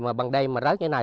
mà bằng đêm mà rớt như thế này